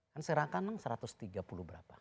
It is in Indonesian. kan serakan satu ratus tiga puluh berapa